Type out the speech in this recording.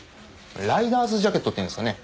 ライダースジャケットっていうんですかね。